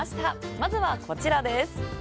まずはこちらです。